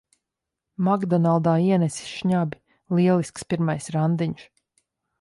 "Makdonaldā" ienesis šnabi! Lielisks pirmais randiņš.